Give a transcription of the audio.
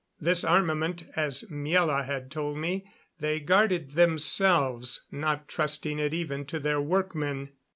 This armament, as Miela had told me, they guarded themselves, not trusting it even to their workmen.